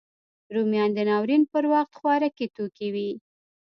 رومیان د ناورین پر وخت خوارکي توکی وي